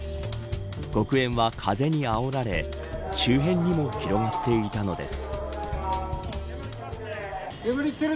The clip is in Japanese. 黒煙は風にあおられ周辺にも広がっていたのです。